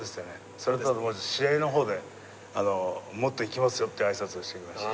それとあともう１つ試合の方で「もっといきますよ」ってあいさつをしておきました。